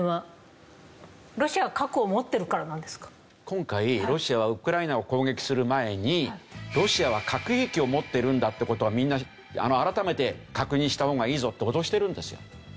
今回ロシアはウクライナを攻撃する前にロシアは核兵器を持ってるんだって事はみんな改めて確認した方がいいぞって脅してるんですよ。